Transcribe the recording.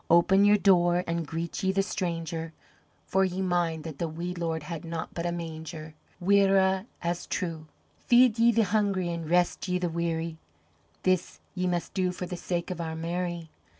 Open your door an' greet ye the stranger For ye mind that the wee Lord had naught but a manger. Mhuire as truagh! "Feed ye the hungry an' rest ye the weary, This ye must do for the sake of Our Mary.